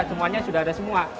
semuanya sudah ada semua